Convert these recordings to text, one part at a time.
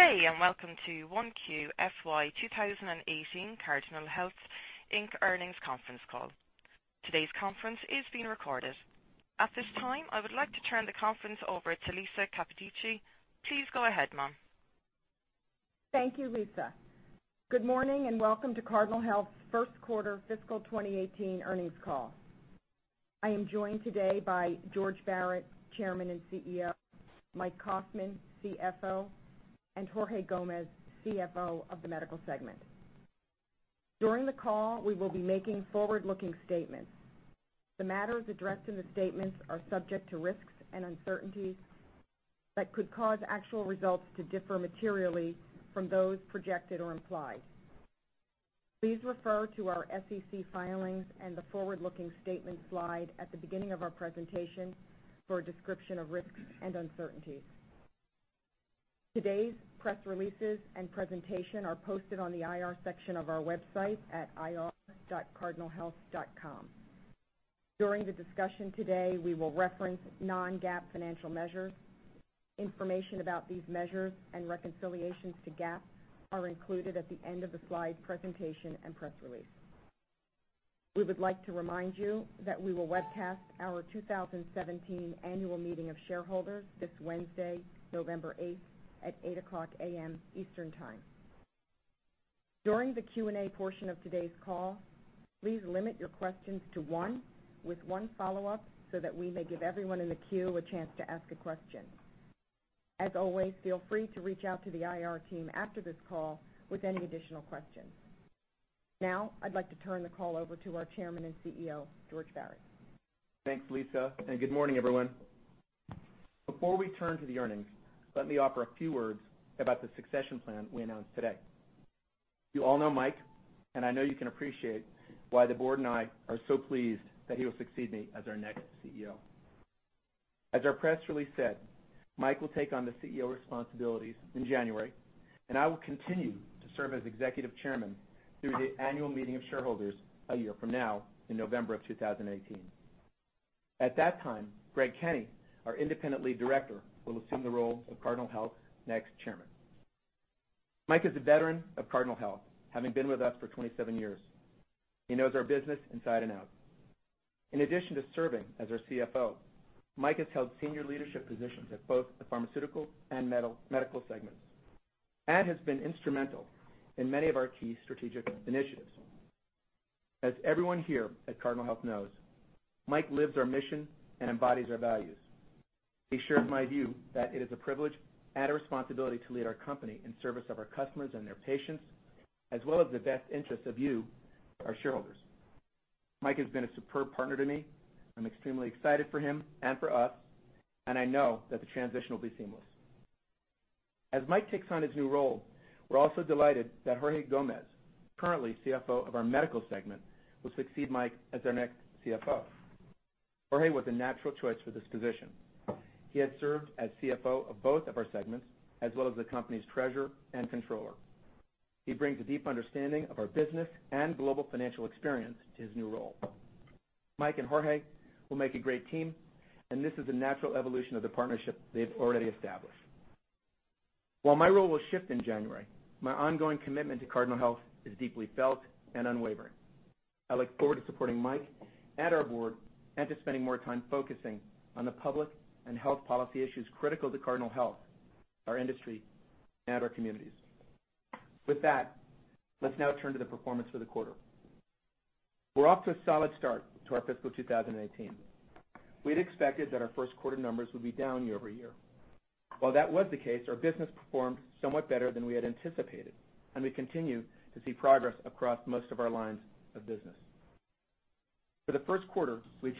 Good day, welcome to 1Q FY 2018 Cardinal Health, Inc. earnings conference call. Today's conference is being recorded. At this time, I would like to turn the conference over to Lisa Capodici. Please go ahead, ma'am. Thank you, Lisa. Good morning, welcome to Cardinal Health's first quarter fiscal 2018 earnings call. I am joined today by George Barrett, Chairman and CEO, Mike Kaufmann, CFO, and Jorge Gomez, CFO of the Medical segment. During the call, we will be making forward-looking statements. The matters addressed in the statements are subject to risks and uncertainties that could cause actual results to differ materially from those projected or implied. Please refer to our SEC filings and the forward-looking statement slide at the beginning of our presentation for a description of risks and uncertainties. Today's press releases and presentation are posted on the IR section of our website at ir.cardinalhealth.com. During the discussion today, we will reference non-GAAP financial measures. Information about these measures and reconciliations to GAAP are included at the end of the slide presentation and press release. We would like to remind you that we will webcast our 2017 annual meeting of shareholders this Wednesday, November 8th at 8:00 A.M. Eastern Time. During the Q&A portion of today's call, please limit your questions to one with one follow-up so that we may give everyone in the queue a chance to ask a question. As always, feel free to reach out to the IR team after this call with any additional questions. I'd like to turn the call over to our Chairman and CEO, George Barrett. Thanks, Lisa. Good morning, everyone. Before we turn to the earnings, let me offer a few words about the succession plan we announced today. You all know Mike, I know you can appreciate why the board and I are so pleased that he will succeed me as our next CEO. As our press release said, Mike will take on the CEO responsibilities in January, I will continue to serve as Executive Chairman through the annual meeting of shareholders a year from now in November of 2018. At that time, Greg Kenny, our independent Lead Director, will assume the role of Cardinal Health's next Chairman. Mike is a veteran of Cardinal Health, having been with us for 27 years. He knows our business inside and out. In addition to serving as our CFO, Mike has held senior leadership positions at both the Pharmaceutical and Medical segments, and has been instrumental in many of our key strategic initiatives. As everyone here at Cardinal Health knows, Mike lives our mission and embodies our values. He shares my view that it is a privilege and a responsibility to lead our company in service of our customers and their patients, as well as the best interests of you, our shareholders. Mike has been a superb partner to me. I'm extremely excited for him and for us, and I know that the transition will be seamless. As Mike takes on his new role, we're also delighted that Jorge Gomez, currently CFO of our Medical segment, will succeed Mike as our next CFO. Jorge was a natural choice for this position. He has served as CFO of both of our segments, as well as the company's treasurer and controller. He brings a deep understanding of our business and global financial experience to his new role. Mike and Jorge will make a great team, and this is a natural evolution of the partnership they've already established. While my role will shift in January, my ongoing commitment to Cardinal Health is deeply felt and unwavering. I look forward to supporting Mike and our board and to spending more time focusing on the public and health policy issues critical to Cardinal Health, our industry, and our communities. With that, let's now turn to the performance for the quarter. We're off to a solid start to our fiscal 2018. We'd expected that our first quarter numbers would be down year-over-year. While that was the case, our business performed somewhat better than we had anticipated, we continue to see progress across most of our lines of business. For the first quarter, we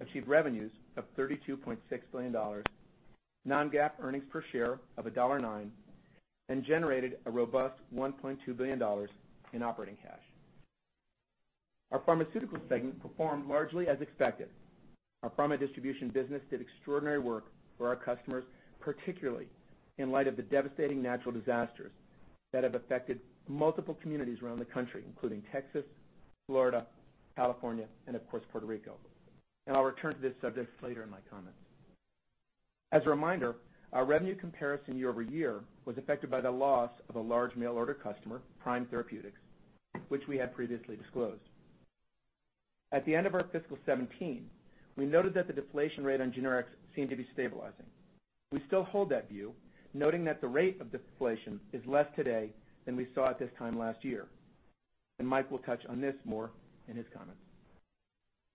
achieved revenues of $32.6 billion, non-GAAP earnings per share of $1.09, and generated a robust $1.2 billion in operating cash. Our Pharmaceutical segment performed largely as expected. Our pharma distribution business did extraordinary work for our customers, particularly in light of the devastating natural disasters that have affected multiple communities around the country, including Texas, Florida, California, and of course, Puerto Rico. I'll return to this subject later in my comments. As a reminder, our revenue comparison year-over-year was affected by the loss of a large mail order customer, Prime Therapeutics, which we had previously disclosed. At the end of our fiscal 2017, we noted that the deflation rate on generics seemed to be stabilizing. We still hold that view, noting that the rate of deflation is less today than we saw at this time last year, Mike will touch on this more in his comments.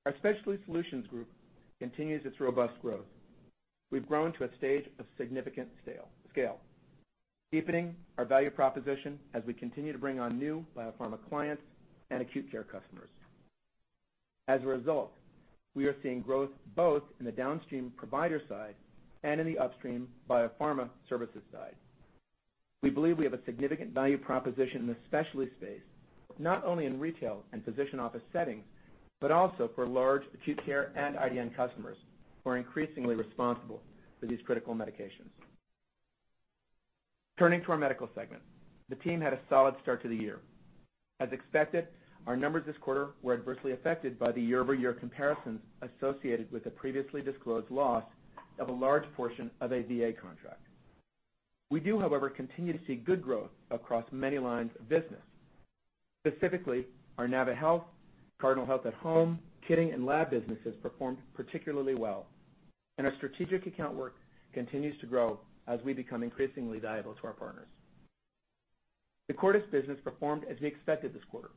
Our Specialty Solutions group continues its robust growth. We've grown to a stage of significant scale, deepening our value proposition as we continue to bring on new biopharma clients and acute care customers. As a result, we are seeing growth both in the downstream provider side and in the upstream biopharma services side. We believe we have a significant value proposition in the specialty space, not only in retail and physician office settings, but also for large acute care and IDN customers who are increasingly responsible for these critical medications. Turning to our Medical segment, the team had a solid start to the year. As expected, our numbers this quarter were adversely affected by the year-over-year comparisons associated with the previously disclosed loss of a large portion of a VA contract. We do, however, continue to see good growth across many lines of business. Specifically, our naviHealth, Cardinal Health at-Home, Kitting and Lab businesses performed particularly well. Our strategic account work continues to grow as we become increasingly valuable to our partners. The Cordis business performed as we expected this quarter.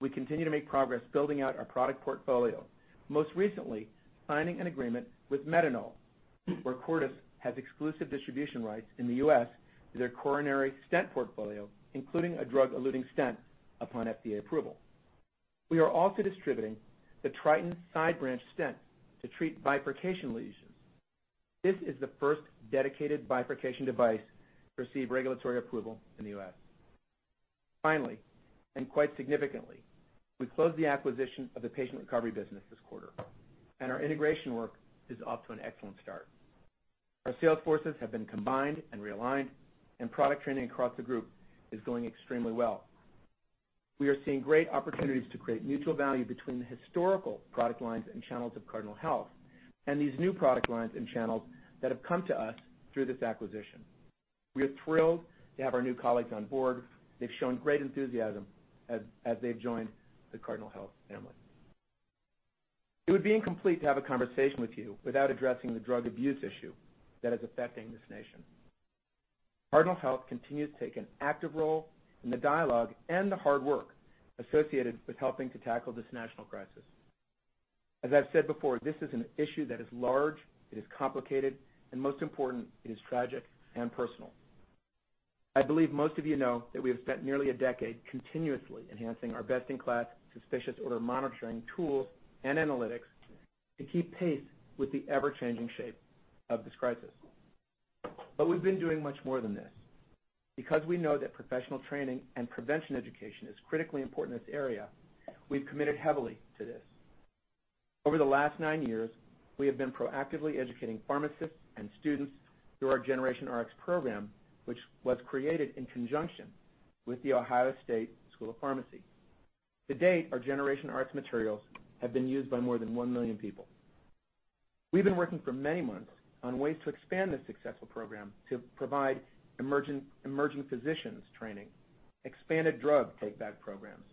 We continue to make progress building out our product portfolio, most recently, signing an agreement with Medinol, where Cordis has exclusive distribution rights in the U.S. to their coronary stent portfolio, including a drug-eluting stent upon FDA approval. We are also distributing the Tryton side branch stent to treat bifurcation lesions. This is the first dedicated bifurcation device to receive regulatory approval in the U.S. Finally, and quite significantly, we closed the acquisition of the patient recovery business this quarter, and our integration work is off to an excellent start. Our sales forces have been combined and realigned, and product training across the group is going extremely well. We are seeing great opportunities to create mutual value between the historical product lines and channels of Cardinal Health, and these new product lines and channels that have come to us through this acquisition. We are thrilled to have our new colleagues on board. They've shown great enthusiasm as they've joined the Cardinal Health family. It would be incomplete to have a conversation with you without addressing the drug abuse issue that is affecting this nation. Cardinal Health continues to take an active role in the dialogue and the hard work associated with helping to tackle this national crisis. As I've said before, this is an issue that is large, it is complicated, and most important, it is tragic and personal. I believe most of you know that we have spent nearly a decade continuously enhancing our best-in-class suspicious order monitoring tools and analytics to keep pace with the ever-changing shape of this crisis. We've been doing much more than this. Because we know that professional training and prevention education is critically important in this area, we've committed heavily to this. Over the last 9 years, we have been proactively educating pharmacists and students through our Generation Rx program, which was created in conjunction with The Ohio State University College of Pharmacy. To date, our Generation Rx materials have been used by more than 1 million people. We've been working for many months on ways to expand this successful program to provide emerging physicians training, expanded drug take back programs,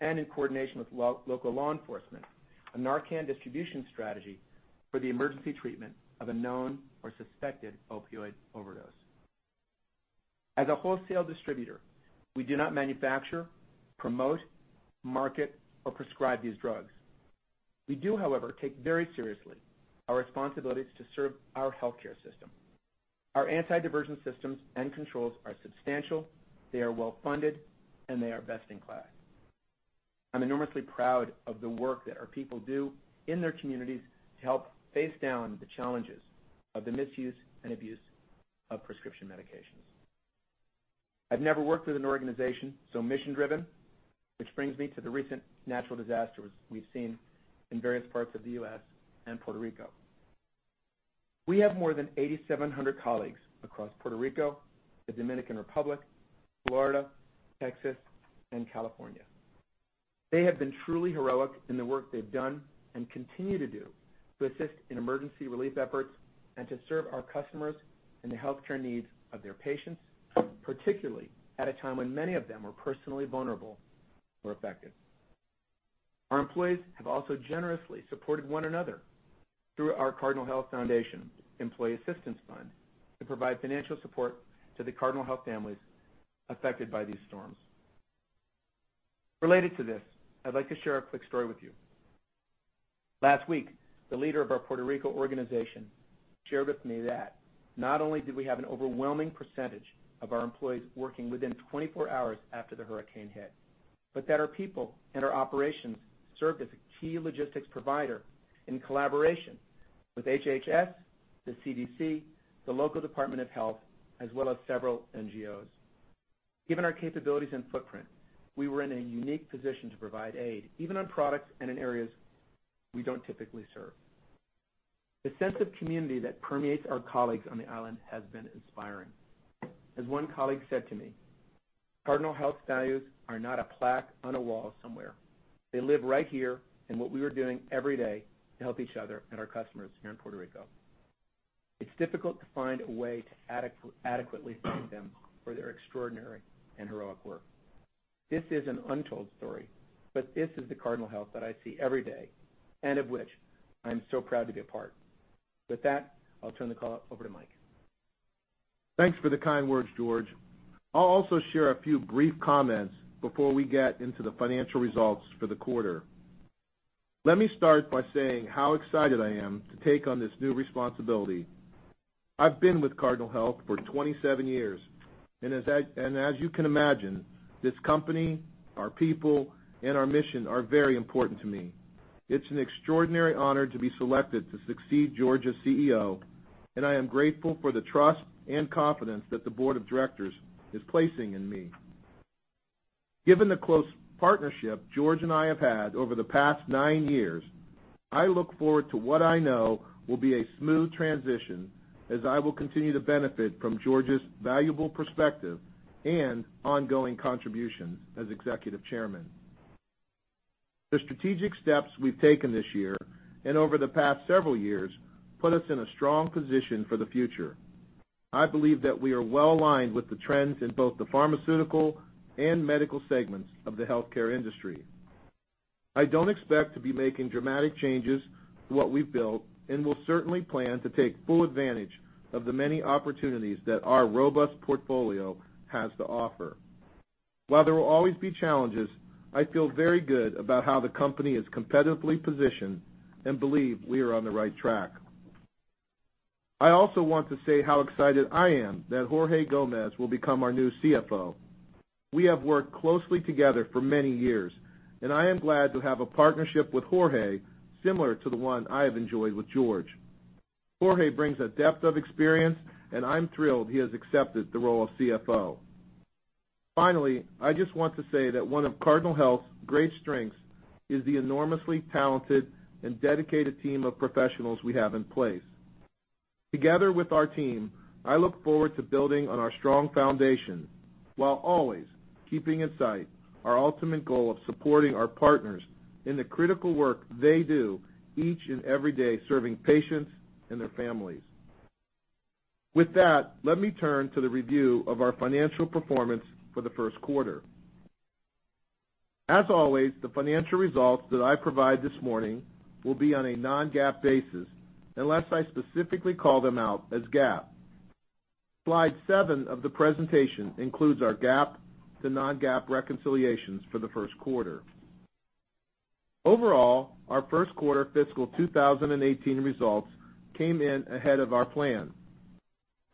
and in coordination with local law enforcement, a NARCAN distribution strategy for the emergency treatment of a known or suspected opioid overdose. As a wholesale distributor, we do not manufacture, promote, market, or prescribe these drugs. We do, however, take very seriously our responsibilities to serve our healthcare system. Our anti-diversion systems and controls are substantial, they are well-funded, and they are best in class. I'm enormously proud of the work that our people do in their communities to help face down the challenges of the misuse and abuse of prescription medications. I've never worked with an organization so mission-driven, which brings me to the recent natural disasters we've seen in various parts of the U.S. and Puerto Rico. We have more than 8,700 colleagues across Puerto Rico, the Dominican Republic, Florida, Texas, and California. They have been truly heroic in the work they've done and continue to do to assist in emergency relief efforts and to serve our customers and the healthcare needs of their patients, particularly at a time when many of them were personally vulnerable or affected. Our employees have also generously supported one another through our Cardinal Health Employee Assistance Fund to provide financial support to the Cardinal Health families affected by these storms. Related to this, I'd like to share a quick story with you. Last week, the leader of our Puerto Rico organization shared with me that not only did we have an overwhelming percentage of our employees working within 24 hours after the hurricane hit, but that our people and our operations served as a key logistics provider in collaboration with HHS, the CDC, the local Department of Health, as well as several NGOs. Given our capabilities and footprint, we were in a unique position to provide aid, even on products and in areas we don't typically serve. The sense of community that permeates our colleagues on the island has been inspiring. As one colleague said to me, "Cardinal Health's values are not a plaque on a wall somewhere. They live right here in what we are doing every day to help each other and our customers here in Puerto Rico." It's difficult to find a way to adequately thank them for their extraordinary and heroic work. This is an untold story, but this is the Cardinal Health that I see every day, and of which I am so proud to be a part. With that, I'll turn the call over to Mike. Thanks for the kind words, George. I'll also share a few brief comments before we get into the financial results for the quarter. Let me start by saying how excited I am to take on this new responsibility. I've been with Cardinal Health for 27 years, and as you can imagine, this company, our people, and our mission are very important to me. It's an extraordinary honor to be selected to succeed George as CEO, and I am grateful for the trust and confidence that the board of directors is placing in me. Given the close partnership George and I have had over the past nine years I look forward to what I know will be a smooth transition as I will continue to benefit from George's valuable perspective and ongoing contribution as Executive Chairman. The strategic steps we've taken this year and over the past several years put us in a strong position for the future. I believe that we are well-aligned with the trends in both the pharmaceutical and medical segments of the healthcare industry. I don't expect to be making dramatic changes to what we've built and will certainly plan to take full advantage of the many opportunities that our robust portfolio has to offer. While there will always be challenges, I feel very good about how the company is competitively positioned and believe we are on the right track. I also want to say how excited I am that Jorge Gomez will become our new CFO. We have worked closely together for many years, and I am glad to have a partnership with Jorge similar to the one I have enjoyed with George. Jorge brings a depth of experience, I'm thrilled he has accepted the role of CFO. I just want to say that one of Cardinal Health's great strengths is the enormously talented and dedicated team of professionals we have in place. Together with our team, I look forward to building on our strong foundation, while always keeping in sight our ultimate goal of supporting our partners in the critical work they do each and every day, serving patients and their families. With that, let me turn to the review of our financial performance for the first quarter. The financial results that I provide this morning will be on a non-GAAP basis unless I specifically call them out as GAAP. Slide seven of the presentation includes our GAAP to non-GAAP reconciliations for the first quarter. Our first quarter fiscal 2018 results came in ahead of our plan.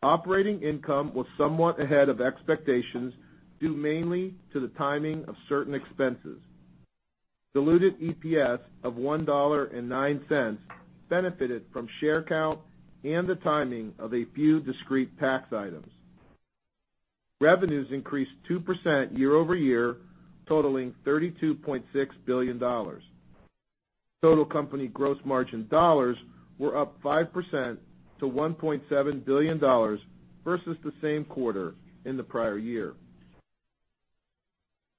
Operating income was somewhat ahead of expectations, due mainly to the timing of certain expenses. Diluted EPS of $1.09 benefited from share count and the timing of a few discrete tax items. Revenues increased 2% year-over-year, totaling $32.6 billion. Total company gross margin dollars were up 5% to $1.7 billion versus the same quarter in the prior year.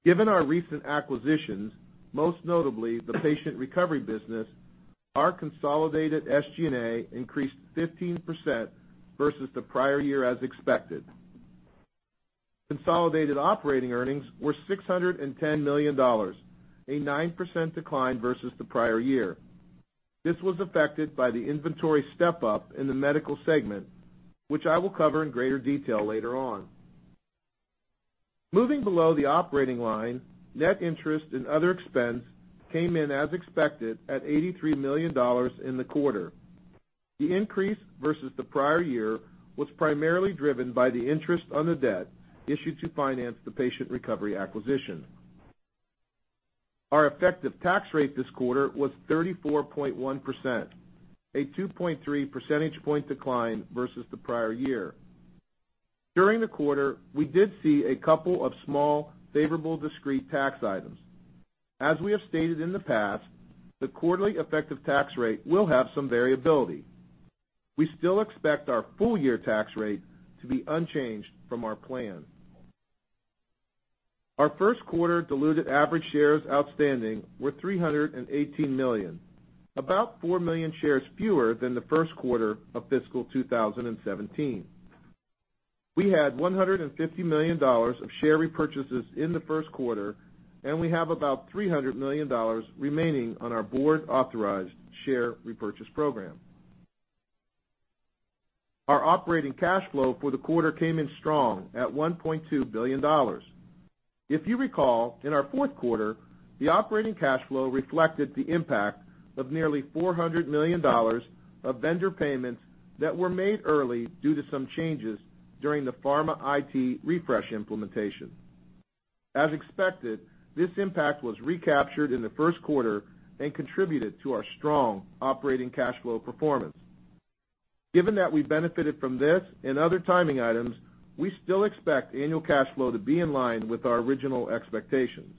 Given our recent acquisitions, most notably the patient recovery business, our consolidated SG&A increased 15% versus the prior year as expected. Consolidated operating earnings were $610 million, a 9% decline versus the prior year. This was affected by the inventory step-up in the Medical segment, which I will cover in greater detail later on. Moving below the operating line, net interest and other expense came in as expected at $83 million in the quarter. The increase versus the prior year was primarily driven by the interest on the debt issued to finance the patient recovery acquisition. Our effective tax rate this quarter was 34.1%, a 2.3 percentage point decline versus the prior year. During the quarter, we did see a couple of small favorable discrete tax items. We have stated in the past, the quarterly effective tax rate will have some variability. We still expect our full-year tax rate to be unchanged from our plan. Our first quarter diluted average shares outstanding were 318 million, about 4 million shares fewer than the first quarter of fiscal 2017. We had $150 million of share repurchases in the first quarter, and we have about $300 million remaining on our board-authorized share repurchase program. Our operating cash flow for the quarter came in strong at $1.2 billion. If you recall, in our fourth quarter, the operating cash flow reflected the impact of nearly $400 million of vendor payments that were made early due to some changes during the pharma IT refresh implementation. As expected, this impact was recaptured in the first quarter and contributed to our strong operating cash flow performance. Given that we benefited from this and other timing items, we still expect annual cash flow to be in line with our original expectations.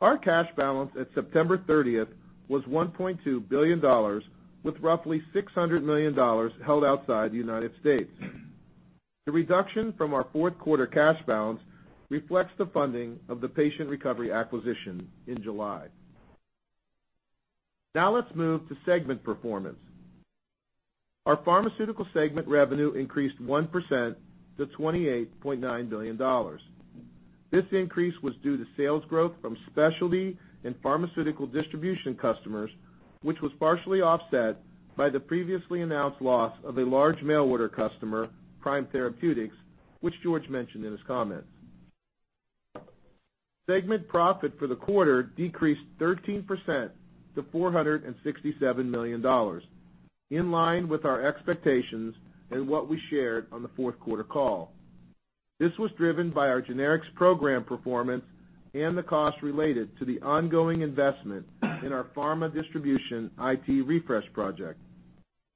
Our cash balance at September 30th was $1.2 billion, with roughly $600 million held outside the United States. The reduction from our fourth quarter cash balance reflects the funding of the patient recovery acquisition in July. Let's move to segment performance. Our Pharmaceutical Segment revenue increased 1% to $28.9 billion. This increase was due to sales growth from specialty and pharmaceutical distribution customers, which was partially offset by the previously announced loss of a large mail order customer, Prime Therapeutics, which George mentioned in his comments. Segment profit for the quarter decreased 13% to $467 million, in line with our expectations and what we shared on the fourth quarter call. This was driven by our generics program performance and the cost related to the ongoing investment in our pharma distribution IT refresh project.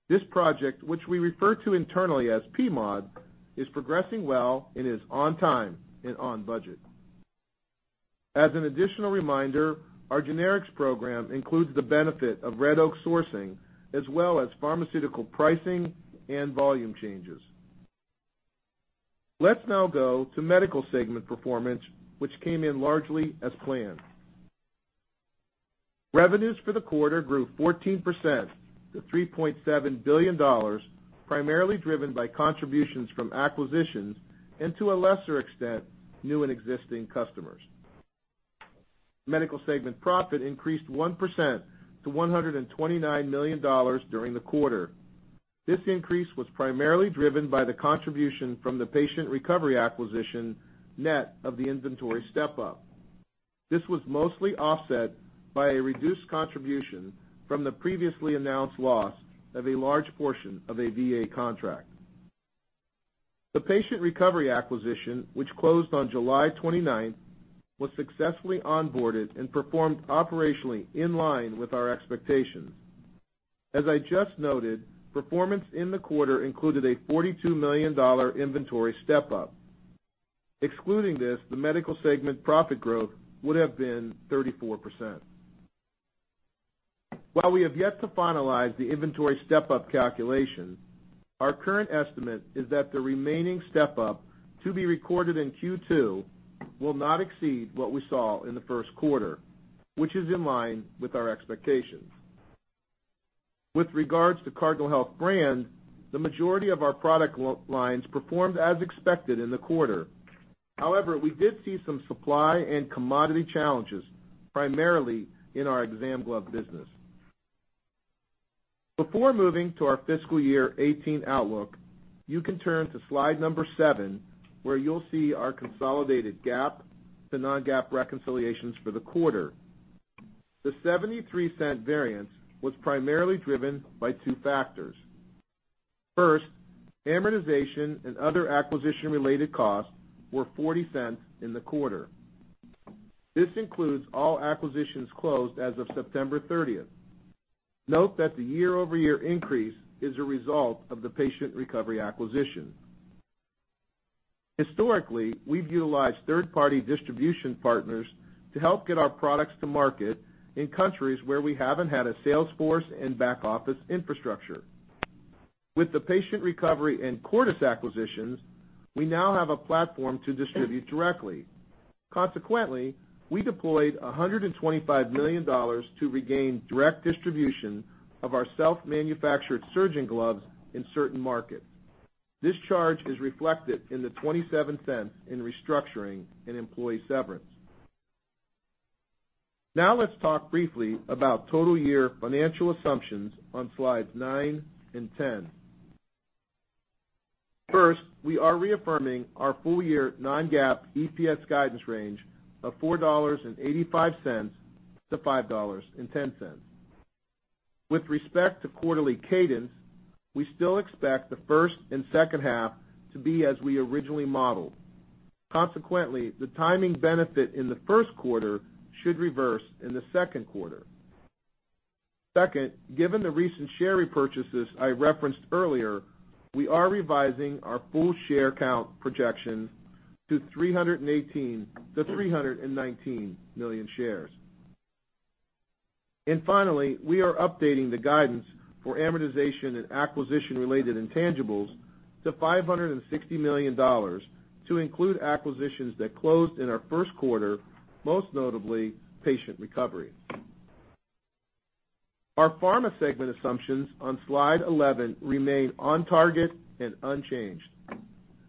This project, which we refer to internally as PMOD, is progressing well and is on time and on budget. As an additional reminder, our generics program includes the benefit of Red Oak Sourcing as well as pharmaceutical pricing and volume changes. Let's go to Medical Segment performance, which came in largely as planned. Revenues for the quarter grew 14% to $3.7 billion, primarily driven by contributions from acquisitions and, to a lesser extent, new and existing customers. Medical Segment profit increased 1% to $129 million during the quarter. This increase was primarily driven by the contribution from the patient recovery acquisition, net of the inventory step-up. This was mostly offset by a reduced contribution from the previously announced loss of a large portion of a VA contract. The patient recovery acquisition, which closed on July 29th, was successfully onboarded and performed operationally in line with our expectations. As I just noted, performance in the quarter included a $42 million inventory step-up. Excluding this, the Medical Segment profit growth would have been 34%. While we have yet to finalize the inventory step-up calculation, our current estimate is that the remaining step up to be recorded in Q2 will not exceed what we saw in the first quarter, which is in line with our expectations. With regards to Cardinal Health brand, the majority of our product lines performed as expected in the quarter. However, we did see some supply and commodity challenges, primarily in our exam glove business. Before moving to our fiscal year 2018 outlook, you can turn to slide number seven, where you'll see our consolidated GAAP to non-GAAP reconciliations for the quarter. The $0.73 variance was primarily driven by two factors. First, amortization and other acquisition-related costs were $0.40 in the quarter. This includes all acquisitions closed as of September 30th. Note that the year-over-year increase is a result of the patient recovery acquisition. Historically, we've utilized third-party distribution partners to help get our products to market in countries where we haven't had a sales force and back-office infrastructure. With the Patient Recovery and Cordis acquisitions, we now have a platform to distribute directly. Consequently, we deployed $125 million to regain direct distribution of our self-manufactured surgeon gloves in certain markets. This charge is reflected in the $0.27 in restructuring and employee severance. Now let's talk briefly about total year financial assumptions on slides nine and 10. First, we are reaffirming our full-year non-GAAP EPS guidance range of $4.85 to $5.10. With respect to quarterly cadence, we still expect the first and second half to be as we originally modeled. Consequently, the timing benefit in the first quarter should reverse in the second quarter. Second, given the recent share repurchases I referenced earlier, we are revising our full share count projections to 318 to 319 million shares. Finally, we are updating the guidance for amortization and acquisition-related intangibles to $560 million to include acquisitions that closed in our first quarter, most notably Patient Recovery. Our pharma segment assumptions on slide 11 remain on target and unchanged.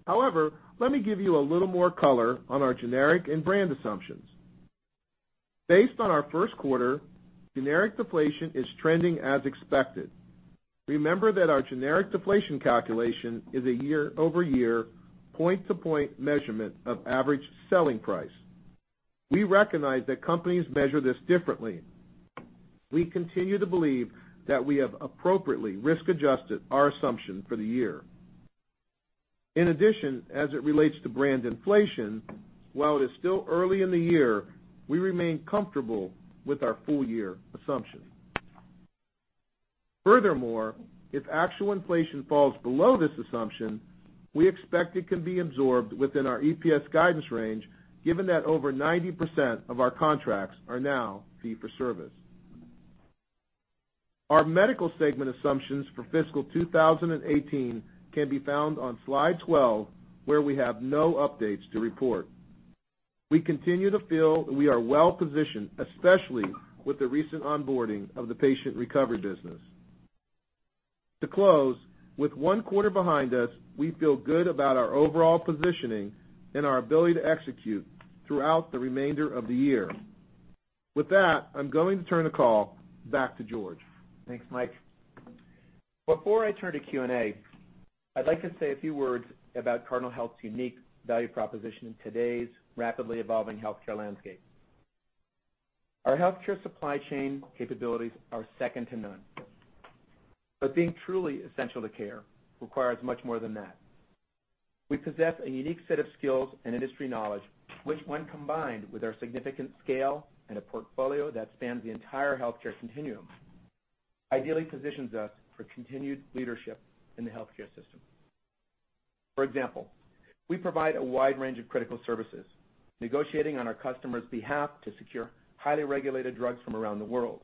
However, let me give you a little more color on our generic and brand assumptions. Based on our first quarter, generic deflation is trending as expected. Remember that our generic deflation calculation is a year-over-year, point-to-point measurement of average selling price. We recognize that companies measure this differently. We continue to believe that we have appropriately risk-adjusted our assumption for the year. In addition, as it relates to brand inflation, while it is still early in the year, we remain comfortable with our full-year assumption. Furthermore, if actual inflation falls below this assumption, we expect it can be absorbed within our EPS guidance range, given that over 90% of our contracts are now fee-for-service. Our Medical segment assumptions for fiscal 2018 can be found on slide 12, where we have no updates to report. We continue to feel we are well positioned, especially with the recent onboarding of the Patient Recovery business. To close, with one quarter behind us, we feel good about our overall positioning and our ability to execute throughout the remainder of the year. With that, I'm going to turn the call back to George. Thanks, Mike. Before I turn to Q&A, I'd like to say a few words about Cardinal Health's unique value proposition in today's rapidly evolving healthcare landscape. Our healthcare supply chain capabilities are second to none. Being truly essential to care requires much more than that. We possess a unique set of skills and industry knowledge, which when combined with our significant scale and a portfolio that spans the entire healthcare continuum, ideally positions us for continued leadership in the healthcare system. For example, we provide a wide range of critical services, negotiating on our customers' behalf to secure highly regulated drugs from around the world,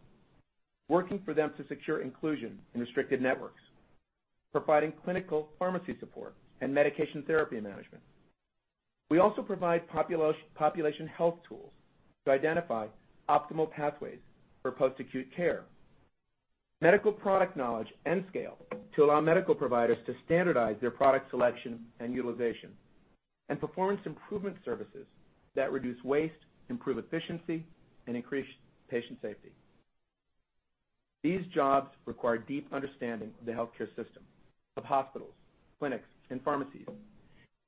working for them to secure inclusion in restricted networks, providing clinical pharmacy support and medication therapy management. We also provide population health tools to identify optimal pathways for post-acute care, medical product knowledge and scale to allow medical providers to standardize their product selection and utilization, and performance improvement services that reduce waste, improve efficiency, and increase patient safety. These jobs require deep understanding of the healthcare system, of hospitals, clinics, and pharmacies,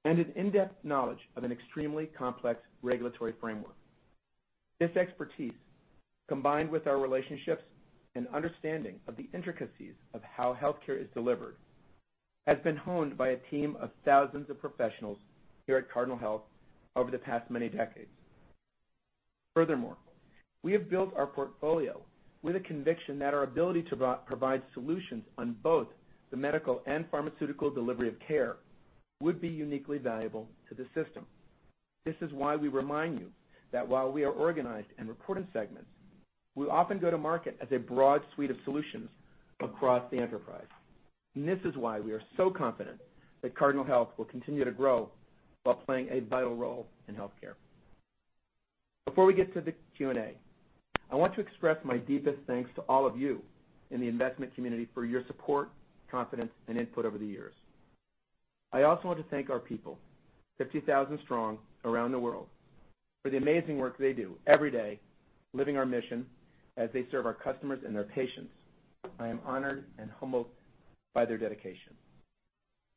and an in-depth knowledge of an extremely complex regulatory framework. This expertise, combined with our relationships and understanding of the intricacies of how healthcare is delivered, has been honed by a team of thousands of professionals here at Cardinal Health over the past many decades. Furthermore, we have built our portfolio with a conviction that our ability to provide solutions on both the medical and pharmaceutical delivery of care would be uniquely valuable to the system. This is why we remind you that while we are organized in reporting segments, we often go to market as a broad suite of solutions across the enterprise. This is why we are so confident that Cardinal Health will continue to grow while playing a vital role in healthcare. Before we get to the Q&A, I want to express my deepest thanks to all of you in the investment community for your support, confidence, and input over the years. I also want to thank our people, 50,000 strong around the world, for the amazing work they do every day living our mission as they serve our customers and their patients. I am honored and humbled by their dedication.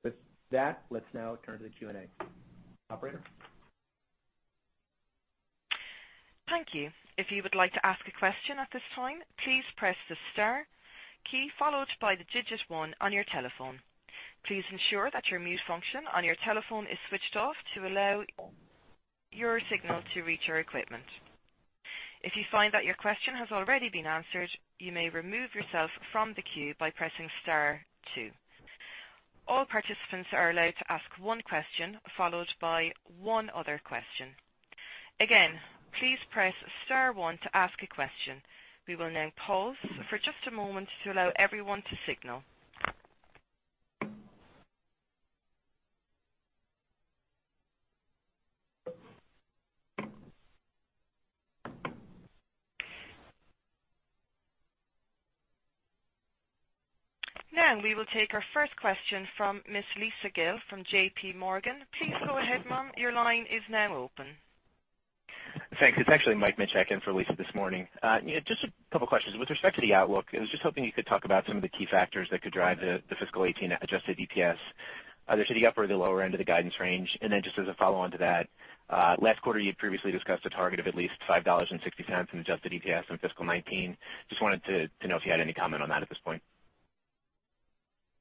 With that, let's now turn to the Q&A. Operator? Thank you. If you would like to ask a question at this time, please press the star key followed by the digit one on your telephone. Please ensure that your mute function on your telephone is switched off to allow your signal to reach our equipment. If you find that your question has already been answered, you may remove yourself from the queue by pressing star two. All participants are allowed to ask one question followed by one other question. Again, please press star one to ask a question. We will now pause for just a moment to allow everyone to signal. Now, we will take our first question from Ms. Lisa Gill from JPMorgan. Please go ahead, ma'am. Your line is now open. Thanks. It's actually Michael Minchak in for Lisa this morning. Just a couple of questions. With respect to the outlook, I was just hoping you could talk about some of the key factors that could drive the fiscal 2018 adjusted EPS, either to the upper or the lower end of the guidance range. Then just as a follow-on to that, last quarter, you had previously discussed a target of at least $5.60 in adjusted EPS in fiscal 2019. Just wanted to know if you had any comment on that at this point.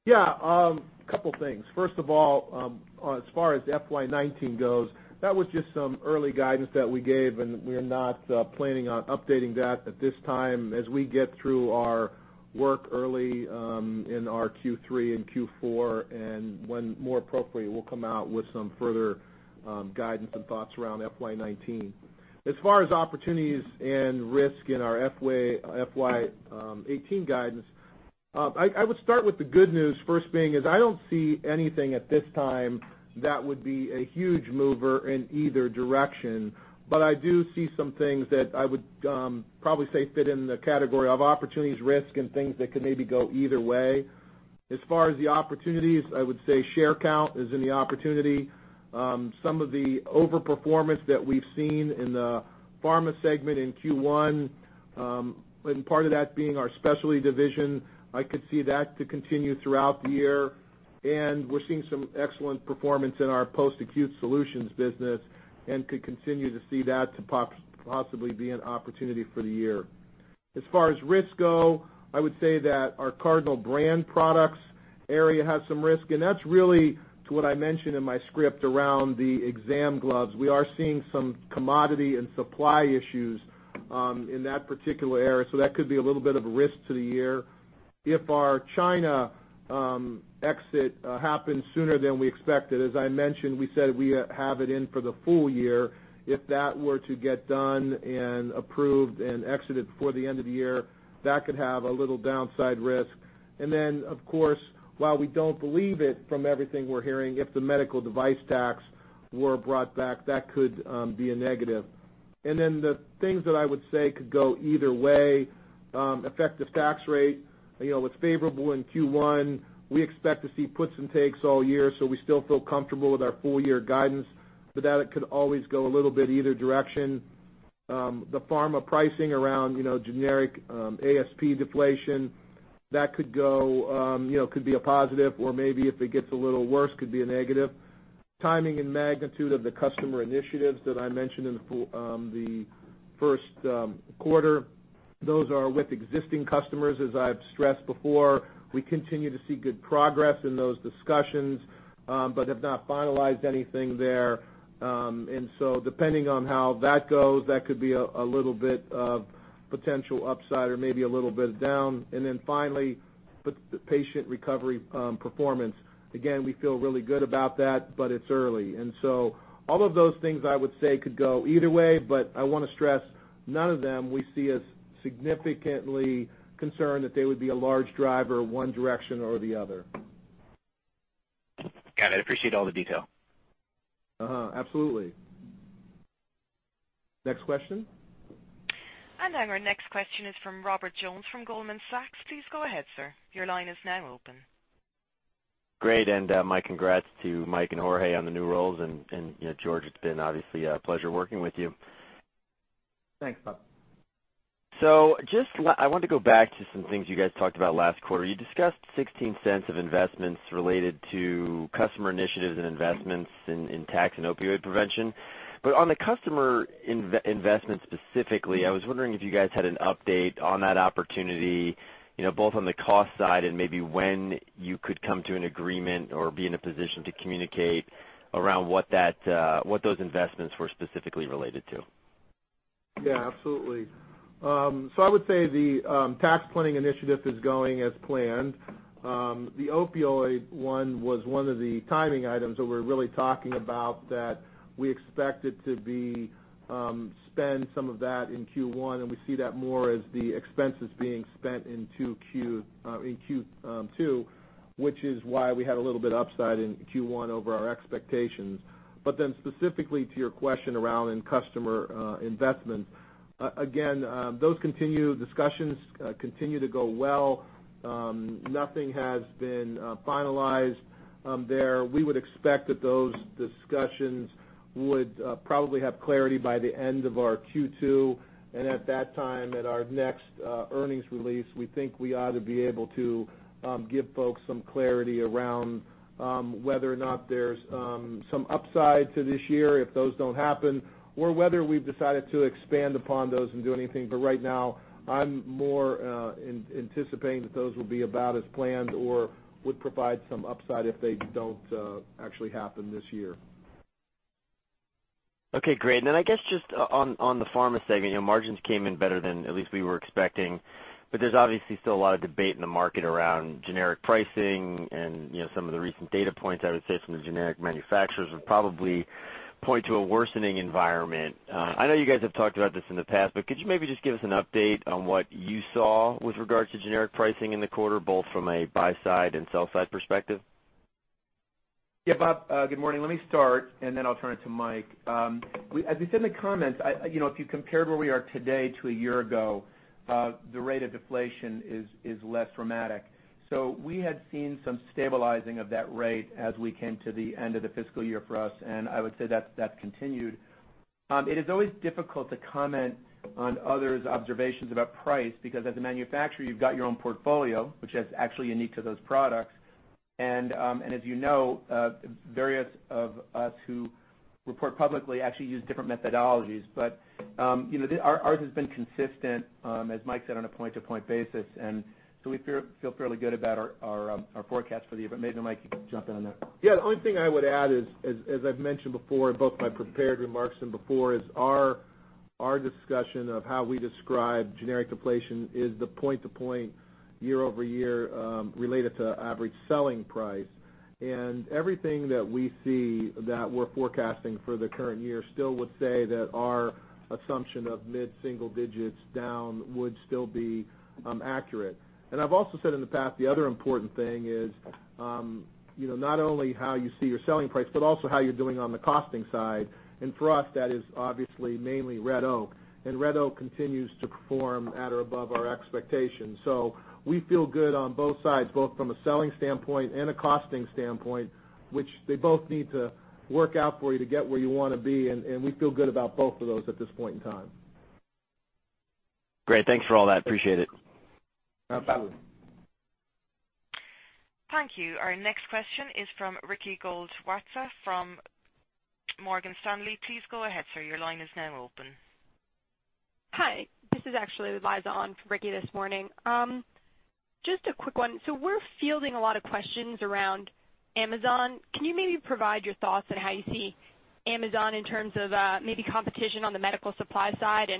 Yeah. A couple of things. First of all, as far as FY 2019 goes, that was just some early guidance that we gave. We are not planning on updating that at this time. As we get through our work early in our Q3 and Q4, when more appropriate, we'll come out with some further guidance and thoughts around FY 2019. As far as opportunities and risk in our FY 2018 guidance, I would start with the good news first, being is I don't see anything at this time that would be a huge mover in either direction. I do see some things that I would probably say fit in the category of opportunities, risk, and things that could maybe go either way. As far as the opportunities, I would say share count is in the opportunity. Some of the over-performance that we've seen in the pharma segment in Q1, part of that being our Specialty division, I could see that to continue throughout the year. We're seeing some excellent performance in our post-acute solutions business and could continue to see that to possibly be an opportunity for the year. As far as risks go, I would say that our Cardinal brand products area has some risk, and that's really to what I mentioned in my script around the exam gloves. We are seeing some commodity and supply issues in that particular area. That could be a little bit of a risk to the year. If our China exit happens sooner than we expected, as I mentioned, we said we have it in for the full year. If that were to get done and approved and exited before the end of the year, that could have a little downside risk. Of course, while we don't believe it, from everything we're hearing, if the medical device tax were brought back, that could be a negative. The things that I would say could go either way, effective tax rate, it was favorable in Q1. We expect to see puts and takes all year. We still feel comfortable with our full-year guidance, but that could always go a little bit either direction. The pharma pricing around generic ASP deflation, that could be a positive, or maybe if it gets a little worse, could be a negative. Timing and magnitude of the customer initiatives that I mentioned in the first quarter Those are with existing customers, as I've stressed before. We continue to see good progress in those discussions, but have not finalized anything there. Depending on how that goes, that could be a little bit of potential upside or maybe a little bit down. Finally, patient recovery performance. Again, we feel really good about that, but it's early. All of those things I would say could go either way, but I want to stress none of them we see as significantly concerned that they would be a large driver one direction or the other. Got it. Appreciate all the detail. Absolutely. Next question. Now our next question is from Robert Jones from Goldman Sachs. Please go ahead, sir. Your line is now open. Great, and my congrats to Mike and Jorge on the new roles. George, it's been obviously a pleasure working with you. Thanks, Bob. Just I want to go back to some things you guys talked about last quarter. You discussed $0.16 of investments related to customer initiatives and investments in tax and opioid prevention. On the customer investment specifically, I was wondering if you guys had an update on that opportunity, both on the cost side and maybe when you could come to an agreement or be in a position to communicate around what those investments were specifically related to. Yeah, absolutely. I would say the tax planning initiative is going as planned. The opioid one was one of the timing items that we're really talking about that we expected to spend some of that in Q1, and we see that more as the expenses being spent in Q2, which is why we had a little bit upside in Q1 over our expectations. Specifically to your question around in customer investments. Again, those discussions continue to go well. Nothing has been finalized there. We would expect that those discussions would probably have clarity by the end of our Q2. At that time, at our next earnings release, we think we ought to be able to give folks some clarity around whether or not there's some upside to this year if those don't happen, or whether we've decided to expand upon those and do anything. Right now, I'm more anticipating that those will be about as planned or would provide some upside if they don't actually happen this year. Okay, great. I guess just on the pharma segment, margins came in better than at least we were expecting. There's obviously still a lot of debate in the market around generic pricing and some of the recent data points, I would say from the generic manufacturers would probably point to a worsening environment. I know you guys have talked about this in the past, could you maybe just give us an update on what you saw with regards to generic pricing in the quarter, both from a buy side and sell side perspective? Yeah, Bob, good morning. Let me start, then I'll turn it to Mike. As we said in the comments, if you compared where we are today to a year ago, the rate of deflation is less dramatic. We had seen some stabilizing of that rate as we came to the end of the fiscal year for us, and I would say that's continued. It is always difficult to comment on others' observations about price, because as a manufacturer, you've got your own portfolio, which is actually unique to those products. As you know, various of us who report publicly actually use different methodologies. Ours has been consistent, as Mike said, on a point-to-point basis, we feel fairly good about our forecast for the year. Maybe, Mike, you could jump in on that. Yeah, the only thing I would add is, as I've mentioned before, both my prepared remarks and before is our discussion of how we describe generic deflation is the point to point, year-over-year, related to average selling price. Everything that we see that we're forecasting for the current year still would say that our assumption of mid-single digits down would still be accurate. I've also said in the past, the other important thing is, not only how you see your selling price, but also how you're doing on the costing side. For us, that is obviously mainly Red Oak. Red Oak continues to perform at or above our expectations. We feel good on both sides, both from a selling standpoint and a costing standpoint, which they both need to work out for you to get where you want to be, we feel good about both of those at this point in time. Great. Thanks for all that. Appreciate it. No problem. Absolutely. Thank you. Our next question is from Ricky Goldwasser from Morgan Stanley. Please go ahead, sir. Your line is now open. Hi. This is actually Liza on for Ricky this morning. Just a quick one. We're fielding a lot of questions around Amazon. Can you maybe provide your thoughts on how you see Amazon in terms of maybe competition on the medical supply side?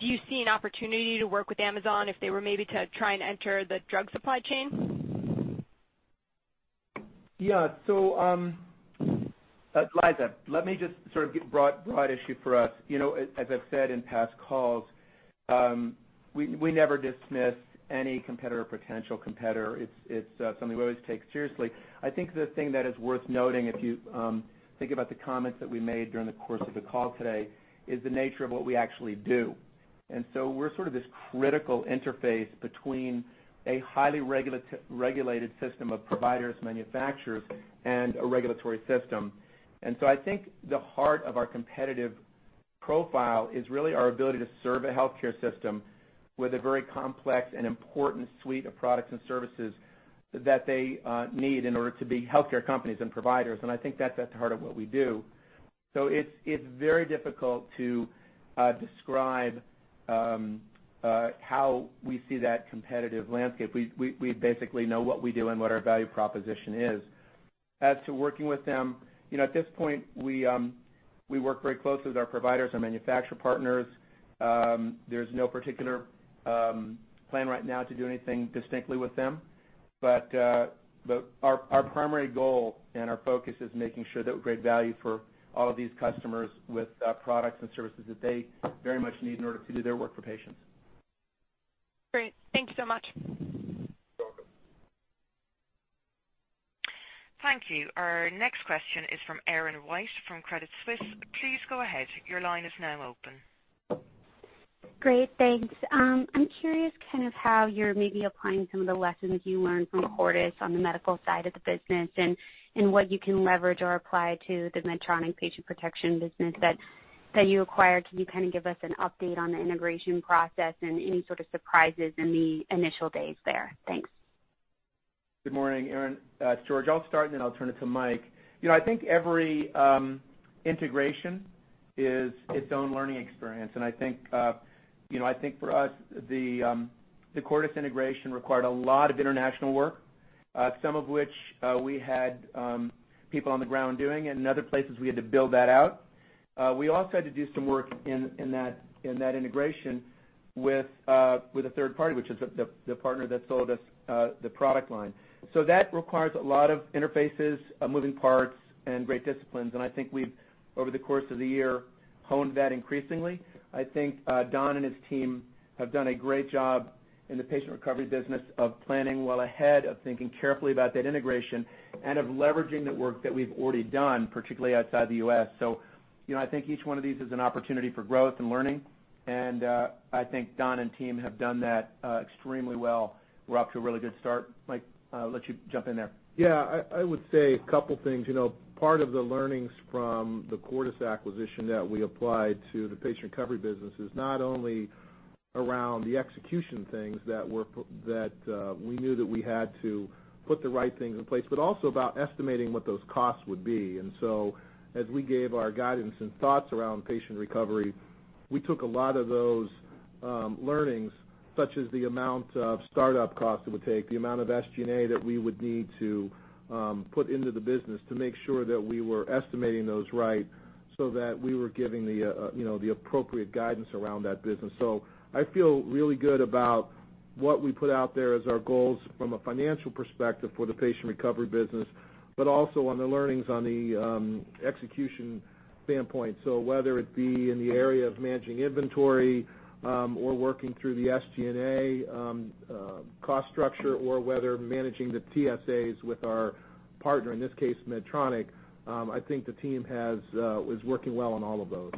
Do you see an opportunity to work with Amazon if they were maybe to try and enter the drug supply chain? Liza, let me just sort of give broad issue for us. As I've said in past calls, we never dismiss any competitor or potential competitor. It's something we always take seriously. I think the thing that is worth noting, if you think about the comments that we made during the course of the call today, is the nature of what we actually do. We're sort of this critical interface between a highly regulated system of providers, manufacturers, and a regulatory system. I think the heart of our competitive profile is really our ability to serve a healthcare system with a very complex and important suite of products and services that they need in order to be healthcare companies and providers. I think that's at the heart of what we do. It's very difficult to describe how we see that competitive landscape. We basically know what we do and what our value proposition is. As to working with them, at this point, we work very closely with our providers, our manufacturer partners. There's no particular plan right now to do anything distinctly with them. Our primary goal and our focus is making sure that we create value for all of these customers with products and services that they very much need in order to do their work for patients. Great. Thank you so much. You're welcome. Thank you. Our next question is from Erin Wright from Credit Suisse. Please go ahead. Your line is now open. Great, thanks. I'm curious how you're maybe applying some of the lessons you learned from Cordis on the medical side of the business, and what you can leverage or apply to the Medtronic Patient Care business that you acquired. Can you give us an update on the integration process and any sort of surprises in the initial days there? Thanks. Good morning, Erin. It's George. I'll start, then I'll turn it to Mike. I think every integration is its own learning experience. I think for us, the Cordis integration required a lot of international work, some of which we had people on the ground doing, and in other places, we had to build that out. We also had to do some work in that integration with a third party, which is the partner that sold us the product line. That requires a lot of interfaces, moving parts, and great disciplines. I think we've, over the course of the year, honed that increasingly. I think Don and his team have done a great job in the Patient Care business of planning well ahead, of thinking carefully about that integration, and of leveraging the work that we've already done, particularly outside the U.S. I think each one of these is an opportunity for growth and learning, and I think Don and team have done that extremely well. We're off to a really good start. Mike, I'll let you jump in there. I would say a couple things. Part of the learnings from the Cordis acquisition that we applied to the patient recovery business is not only around the execution things that we knew that we had to put the right things in place, but also about estimating what those costs would be. As we gave our guidance and thoughts around patient recovery, we took a lot of those learnings, such as the amount of startup costs it would take, the amount of SG&A that we would need to put into the business to make sure that we were estimating those right, that we were giving the appropriate guidance around that business. I feel really good about what we put out there as our goals from a financial perspective for the patient recovery business, but also on the learnings on the execution standpoint. Whether it be in the area of managing inventory, or working through the SG&A cost structure, or whether managing the TSAs with our partner, in this case, Medtronic, I think the team is working well on all of those.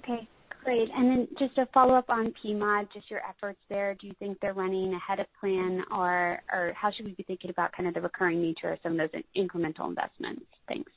Okay, great. Just a follow-up on PMOD, just your efforts there, do you think they're running ahead of plan? Or how should we be thinking about kind of the recurring nature of some of those incremental investments? Thanks.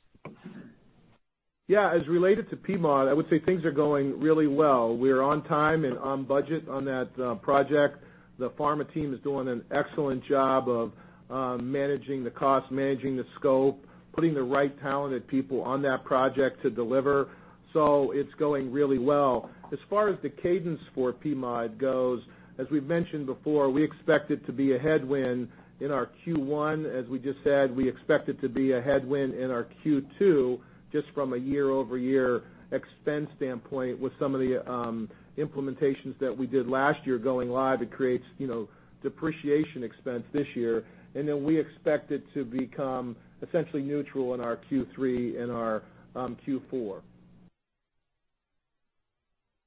As related to PMOD, I would say things are going really well. We're on time and on budget on that project. The pharma team is doing an excellent job of managing the cost, managing the scope, putting the right talented people on that project to deliver. It's going really well. As far as the cadence for PMOD goes, as we've mentioned before, we expect it to be a headwind in our Q1. As we just said, we expect it to be a headwind in our Q2, just from a year-over-year expense standpoint with some of the implementations that we did last year going live. It creates depreciation expense this year, we expect it to become essentially neutral in our Q3 and our Q4.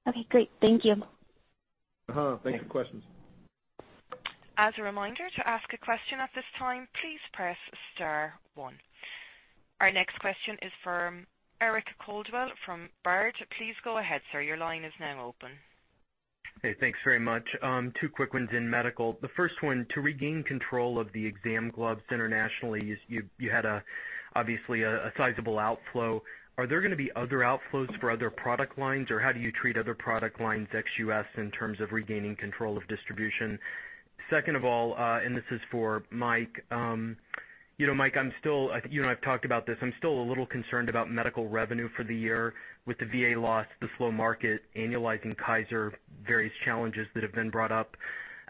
Okay, great. Thank you. Thank you for the questions. As a reminder, to ask a question at this time, please press star one. Our next question is from Eric Coldwell from Baird. Please go ahead, sir. Your line is now open. Hey, thanks very much. Two quick ones in Medical. The first one, to regain control of the exam gloves internationally, you had obviously a sizable outflow. Are there going to be other outflows for other product lines? How do you treat other product lines ex-U.S. in terms of regaining control of distribution? Second of all, this is for Mike. Mike, you and I've talked about this, I'm still a little concerned about Medical revenue for the year with the VA loss, the slow market, annualizing Kaiser, various challenges that have been brought up.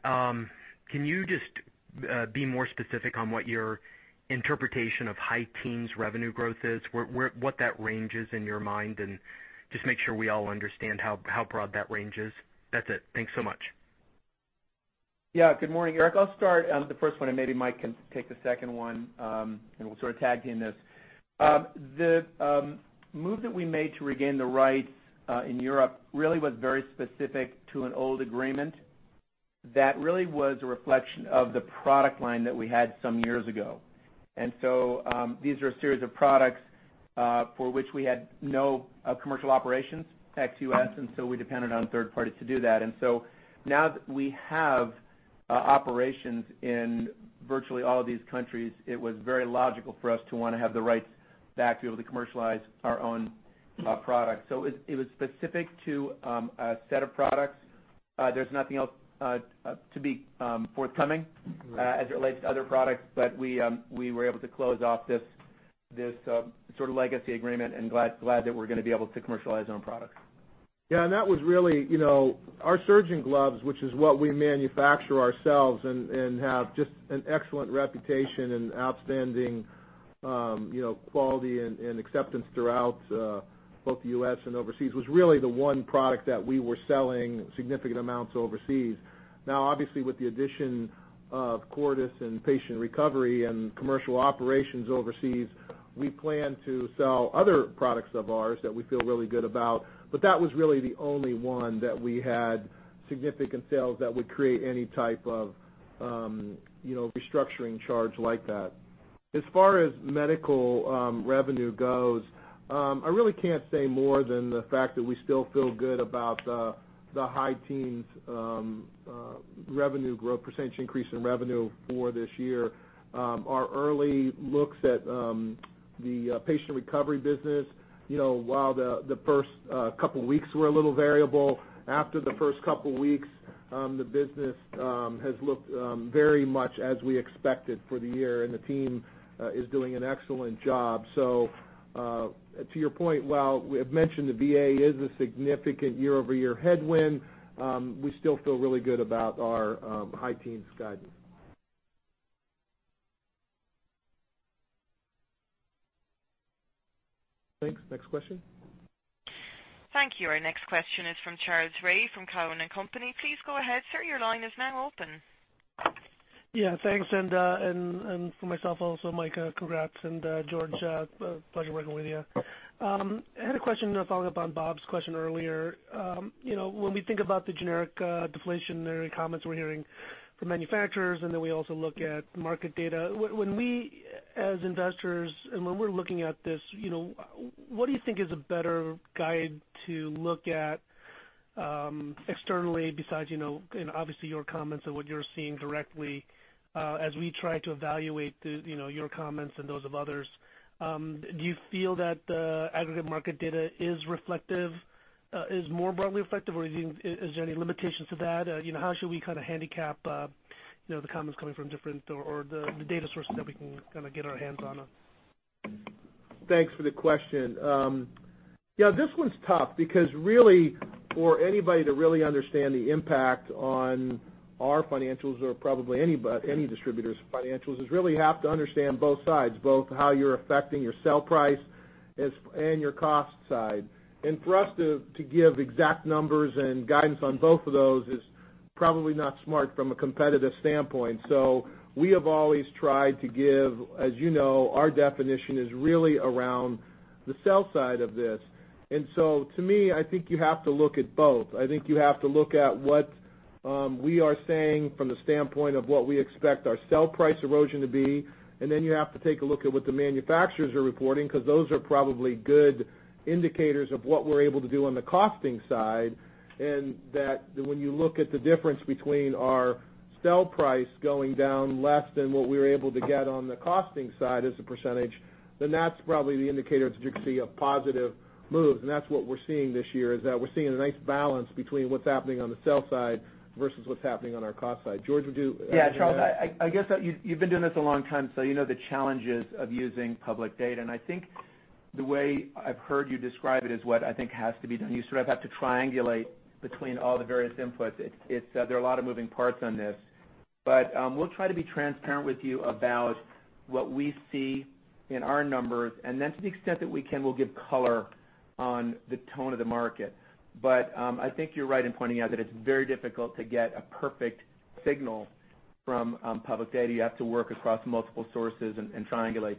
Can you just be more specific on what your interpretation of high teens revenue growth is, what that range is in your mind, and just make sure we all understand how broad that range is? That's it. Thanks so much. Yeah. Good morning, Eric. I'll start the first one and maybe Mike can take the second one, and we'll sort of tag team this. The move that we made to regain the rights in Europe really was very specific to an old agreement that really was a reflection of the product line that we had some years ago. These are a series of products for which we had no commercial operations ex-U.S., we depended on third parties to do that. Now that we have operations in virtually all of these countries, it was very logical for us to want to have the rights back to be able to commercialize our own products. It was specific to a set of products. There's nothing else to be forthcoming as it relates to other products. We were able to close off this legacy agreement and glad that we're going to be able to commercialize our own products. Yeah. Our surgeon gloves, which is what we manufacture ourselves and have just an excellent reputation and outstanding quality and acceptance throughout both the U.S. and overseas, was really the one product that we were selling significant amounts overseas. Now, obviously, with the addition of Cordis and patient recovery and commercial operations overseas, we plan to sell other products of ours that we feel really good about. That was really the only one that we had significant sales that would create any type of restructuring charge like that. As far as medical revenue goes, I really can't say more than the fact that we still feel good about the high teens revenue growth, percentage increase in revenue for this year. Our early looks at the patient recovery business, while the first couple of weeks were a little variable, after the first couple of weeks, the business has looked very much as we expected for the year, and the team is doing an excellent job. To your point, while we have mentioned the VA is a significant year-over-year headwind, we still feel really good about our high teens guidance. Thanks. Next question. Thank you. Our next question is from Charles Rhyee from Cowen and Company. Please go ahead, sir. Your line is now open. Yeah, thanks. For myself also, Mike, congrats, and George, pleasure working with you. I had a question following up on Bob's question earlier. When we think about the generic deflationary comments we're hearing from manufacturers, we also look at market data, when we, as investors, and when we're looking at this, what do you think is a better guide to look at externally besides, and obviously your comments and what you're seeing directly, as we try to evaluate your comments and those of others. Do you feel that the aggregate market data is more broadly reflective, is there any limitations to that? How should we kind of handicap the comments coming from different or the data sources that we can kind of get our hands on? Thanks for the question. Yeah, this one's tough because really, for anybody to really understand the impact on our financials or probably any distributor's financials is really have to understand both sides, both how you're affecting your sell price and your cost side. For us to give exact numbers and guidance on both of those is probably not smart from a competitive standpoint. We have always tried to give, as you know, our definition is really around the sell side of this. To me, I think you have to look at both. I think you have to look at what we are saying from the standpoint of what we expect our sell price erosion to be, then you have to take a look at what the manufacturers are reporting, because those are probably good indicators of what we're able to do on the costing side, and that when you look at the difference between our sell price going down less than what we were able to get on the costing side as a percentage, then that's probably the indicator that you can see a positive move. That's what we're seeing this year, is that we're seeing a nice balance between what's happening on the sell side versus what's happening on our cost side. George, would you- Yeah, Charles, I guess you've been doing this a long time, so you know the challenges of using public data, and I think the way I've heard you describe it is what I think has to be done. You sort of have to triangulate between all the various inputs. There are a lot of moving parts on this. We'll try to be transparent with you about what we see in our numbers, then to the extent that we can, we'll give color on the tone of the market. I think you're right in pointing out that it's very difficult to get a perfect signal from public data. You have to work across multiple sources and triangulate.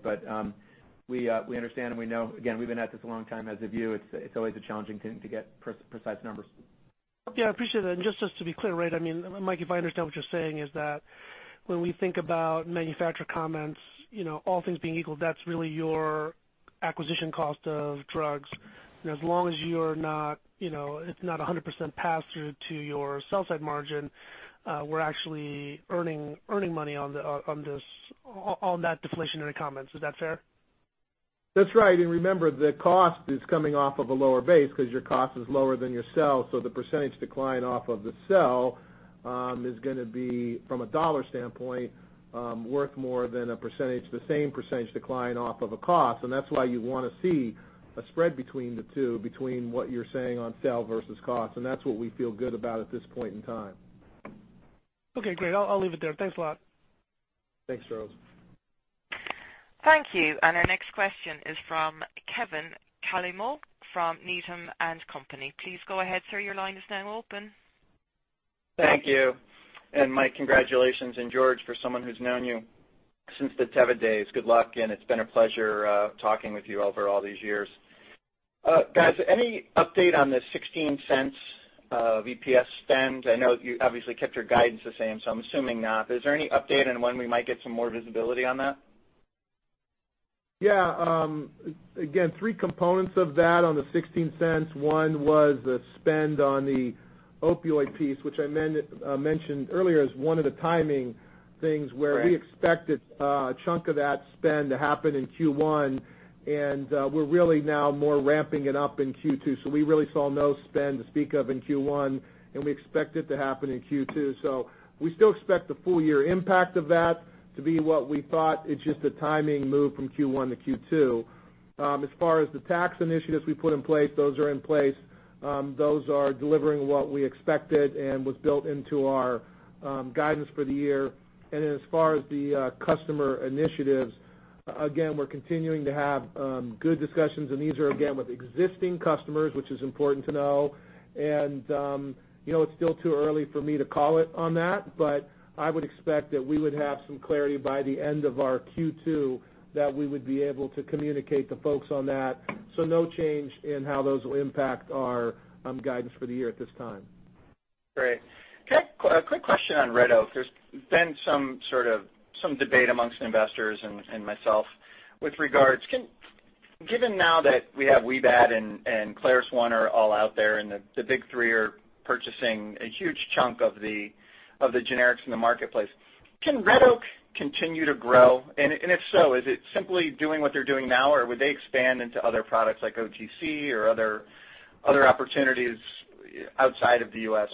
We understand and we know, again, we've been at this a long time, as have you. It's always a challenging thing to get precise numbers. Yeah, I appreciate it. Just to be clear, right, Mike, if I understand what you're saying, is that when we think about manufacturer comments, all things being equal, that's really your acquisition cost of drugs. As long as it's not 100% passed through to your sell side margin, we're actually earning money on that deflation in the comments. Is that fair? That's right. Remember, the cost is coming off of a lower base because your cost is lower than your sell. The percentage decline off of the sell, is going to be, from a dollar standpoint, worth more than a percentage, the same percentage decline off of a cost. That's why you want to see a spread between the two, between what you're saying on sell versus cost. That's what we feel good about at this point in time. Okay, great. I'll leave it there. Thanks a lot. Thanks, Charles. Thank you. Our next question is from Kevin Caliendo from Needham & Company. Please go ahead, sir, your line is now open. Thank you. Mike, congratulations, George, for someone who's known you since the Teva days, good luck, and it's been a pleasure talking with you over all these years. Guys, any update on the $0.16 EPS spend? I know you obviously kept your guidance the same, so I'm assuming not. Is there any update on when we might get some more visibility on that? Yeah. Again, three components of that on the $0.16. One was the spend on the opioid piece, which I mentioned earlier as one of the timing things where we expected a chunk of that spend to happen in Q1, and we're really now more ramping it up in Q2. We really saw no spend to speak of in Q1, and we expect it to happen in Q2. We still expect the full year impact of that to be what we thought. It's just a timing move from Q1 to Q2. As far as the tax initiatives we put in place, those are in place. Those are delivering what we expected and was built into our guidance for the year. As far as the customer initiatives, again, we're continuing to have good discussions, and these are, again, with existing customers, which is important to know. It's still too early for me to call it on that, but I would expect that we would have some clarity by the end of our Q2 that we would be able to communicate to folks on that. No change in how those will impact our guidance for the year at this time. Great. A quick question on Red Oak. There's been some debate amongst investors and myself with regards. Given now that we have WebMD and ClarusONE are all out there and the big three are purchasing a huge chunk of the generics in the marketplace, can Red Oak continue to grow? If so, is it simply doing what they're doing now, or would they expand into other products like OTC or other opportunities outside of the U.S.?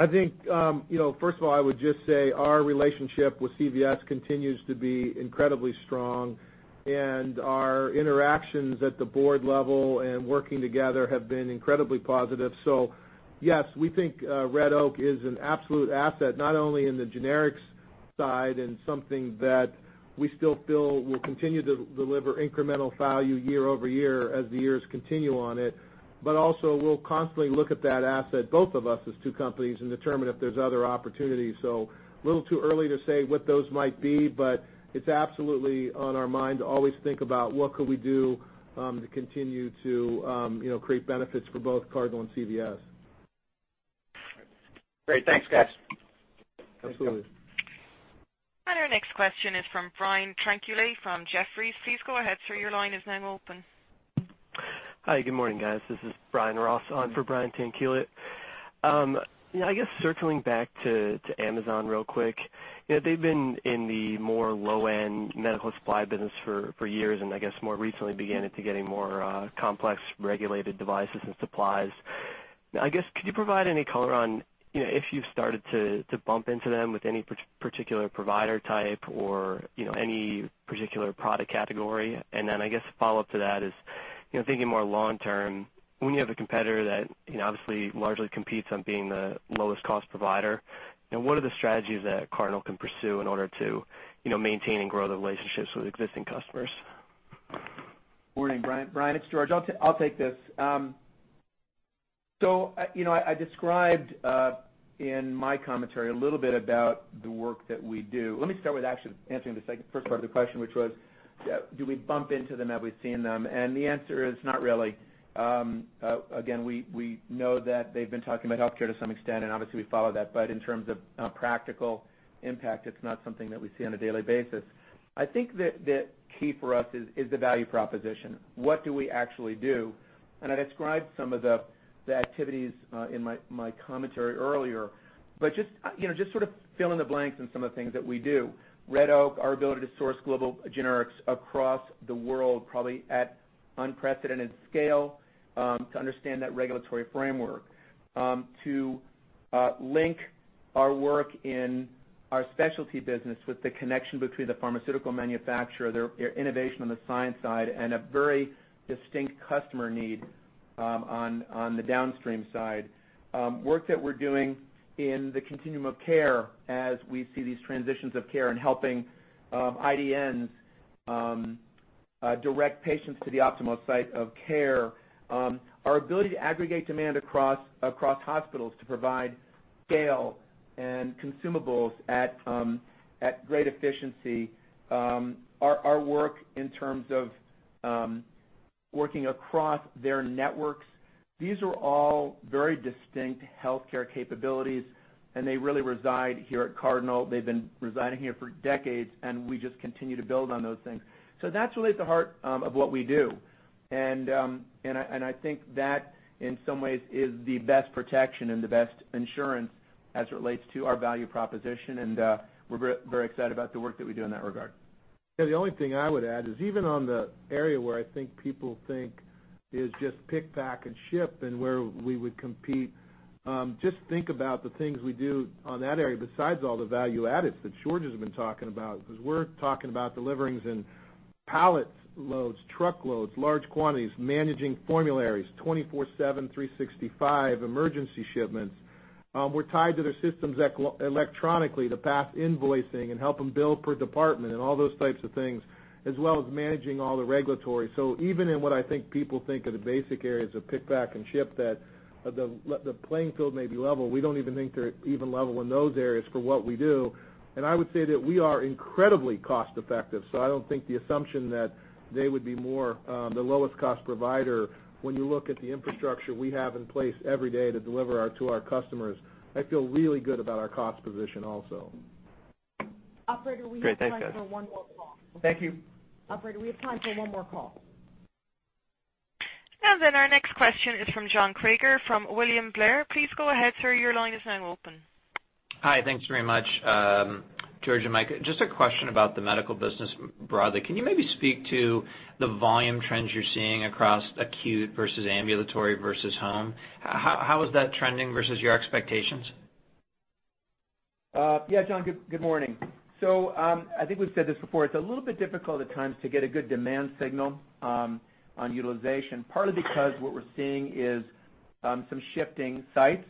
I think, first of all, I would just say our relationship with CVS continues to be incredibly strong, and our interactions at the board level and working together have been incredibly positive. Yes, we think Red Oak is an absolute asset, not only in the generics side and something that we still feel will continue to deliver incremental value year-over-year as the years continue on it, but also we'll constantly look at that asset, both of us as two companies, and determine if there's other opportunities. A little too early to say what those might be, but it's absolutely on our mind to always think about what could we do to continue to create benefits for both Cardinal and CVS. Great. Thanks, guys. Absolutely. Our next question is from Brian Tanquilut from Jefferies. Please go ahead, sir. Your line is now open. Hi, good morning, guys. This is Brian Ross on for Brian Tanquilut. I guess circling back to Amazon real quick. They've been in the more low-end medical supply business for years, and I guess more recently began into getting more complex regulated devices and supplies. I guess, could you provide any color on if you've started to bump into them with any particular provider type or any particular product category? I guess follow-up to that is, thinking more long term, when you have a competitor that obviously largely competes on being the lowest cost provider, what are the strategies that Cardinal can pursue in order to maintain and grow the relationships with existing customers? Morning, Brian. It's George. I'll take this. I described in my commentary a little bit about the work that we do. Let me start with actually answering the first part of the question, which was, do we bump into them? Have we seen them? The answer is not really. Again, we know that they've been talking about healthcare to some extent, and obviously we follow that. In terms of practical impact, it's not something that we see on a daily basis. I think that key for us is the value proposition. What do we actually do? I described some of the activities in my commentary earlier. Just sort of fill in the blanks on some of the things that we do. Red Oak, our ability to source global generics across the world, probably at unprecedented scale, to understand that regulatory framework, to link our work in our specialty business with the connection between the pharmaceutical manufacturer, their innovation on the science side, and a very distinct customer need on the downstream side. Work that we're doing in the continuum of care as we see these transitions of care and helping IDNs direct patients to the optimal site of care. Our ability to aggregate demand across hospitals to provide scale and consumables at great efficiency. Our work in terms of working across their networks. These are all very distinct healthcare capabilities, and they really reside here at Cardinal. They've been residing here for decades, and we just continue to build on those things. That's really at the heart of what we do. I think that, in some ways, is the best protection and the best insurance as it relates to our value proposition. We're very excited about the work that we do in that regard. The only thing I would add is even on the area where I think people think is just pick, pack, and ship and where we would compete, just think about the things we do on that area besides all the value addeds that George has been talking about, because we're talking about deliverings in pallet loads, truckloads, large quantities, managing formularies, 24/7, 365 emergency shipments. We're tied to their systems electronically to pass invoicing and help them bill per department and all those types of things, as well as managing all the regulatory. Even in what I think people think are the basic areas of pick, pack, and ship, that the playing field may be level, we don't even think they're even level in those areas for what we do. I would say that we are incredibly cost effective. I don't think the assumption that they would be more the lowest cost provider when you look at the infrastructure we have in place every day to deliver to our customers. I feel really good about our cost position also. Great. Thanks, guys. Thank you. Operator, we have time for one more call. Our next question is from John Kreger from William Blair. Please go ahead, sir. Your line is now open. Hi. Thanks very much, George and Mike. Just a question about the medical business broadly. Can you maybe speak to the volume trends you're seeing across acute versus ambulatory versus home? How is that trending versus your expectations? John, good morning. I think we've said this before, it's a little bit difficult at times to get a good demand signal on utilization, partly because what we're seeing is some shifting sites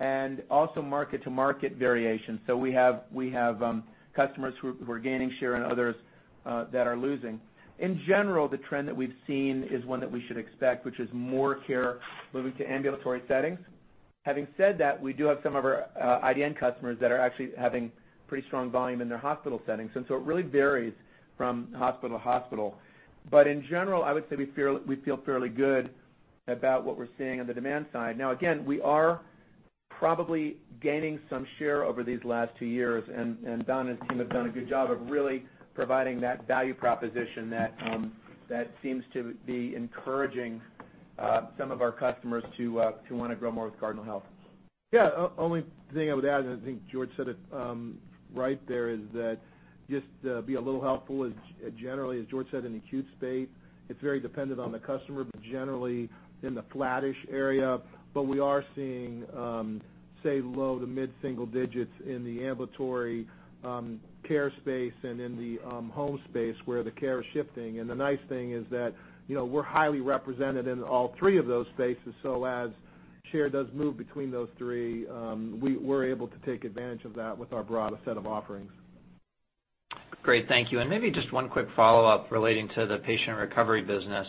and also market-to-market variation. We have customers who are gaining share and others that are losing. In general, the trend that we've seen is one that we should expect, which is more care moving to ambulatory settings. Having said that, we do have some of our IDN customers that are actually having pretty strong volume in their hospital settings. It really varies from hospital to hospital. In general, I would say we feel fairly good about what we're seeing on the demand side. Now, again, we are probably gaining some share over these last two years, Don and his team have done a good job of really providing that value proposition that seems to be encouraging some of our customers to want to grow more with Cardinal Health. Yeah. Only thing I would add, and I think George said it right there, is that just to be a little helpful is, generally, as George said, in acute space, it's very dependent on the customer, but generally in the flattish area. We are seeing, say, low- to mid-single digits in the ambulatory care space and in the home space, where the care is shifting. The nice thing is that, we're highly represented in all three of those spaces, so as share does move between those three, we're able to take advantage of that with our broader set of offerings. Great. Thank you. Maybe just one quick follow-up relating to the patient recovery business.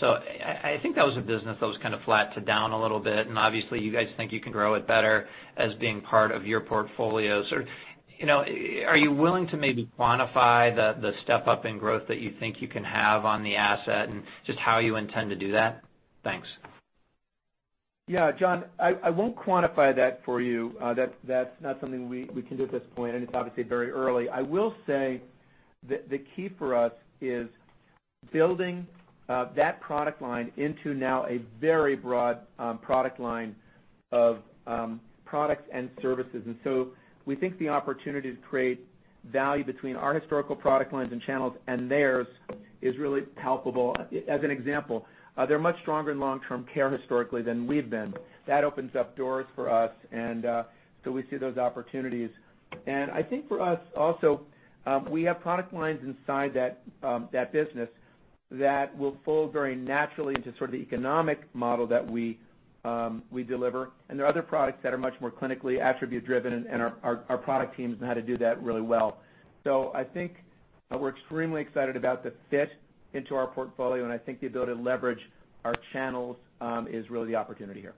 I think that was a business that was kind of flat to down a little bit, and obviously you guys think you can grow it better as being part of your portfolio. Are you willing to maybe quantify the step-up in growth that you think you can have on the asset and just how you intend to do that? Thanks. John, I won't quantify that for you. That's not something we can do at this point, and it's obviously very early. I will say that the key for us is building that product line into now a very broad product line of products and services. We think the opportunity to create value between our historical product lines and channels and theirs is really palpable. As an example, they're much stronger in long-term care historically than we've been. That opens up doors for us. We see those opportunities. I think for us also, we have product lines inside that business that will fold very naturally into sort of the economic model that we deliver. There are other products that are much more clinically attribute driven, and our product teams know how to do that really well. I think we're extremely excited about the fit into our portfolio, and I think the ability to leverage our channels is really the opportunity here.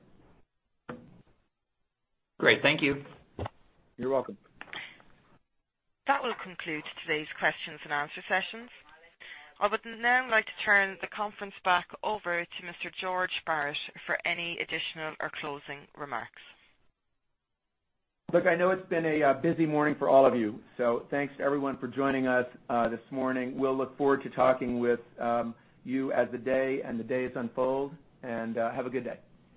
Great. Thank you. You're welcome. That will conclude today's questions and answer sessions. I would now like to turn the conference back over to Mr. George Barrett for any additional or closing remarks. Look, I know it's been a busy morning for all of you, so thanks everyone for joining us this morning. We'll look forward to talking with you as the day and the days unfold, and have a good day.